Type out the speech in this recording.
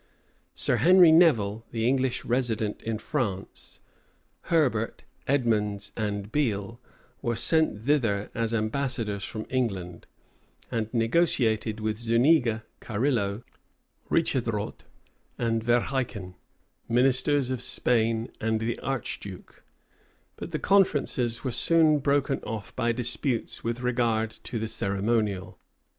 Sir Henry Nevil, the English resident in France, Herbert, Edmondes, and Beale, were sent thither as ambassadors from England; and negotiated with Zuniga, Carillo, Richetrdot, and Verheiken, ministers of Spain and the archduke: but the conferences were soon broken off, by disputes with regard to the ceremonial.